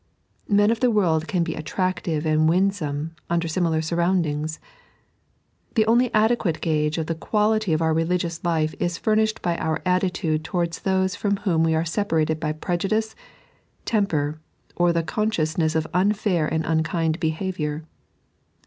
Men of the world can be attractive and winsome under similar surroundings. The only adeqiiate gauge of the quality of our religiouR life is furnished by our attitude towards those from whom we are separated by prejudice, temper, or the conociousneBe of unfair and un kind behaviour.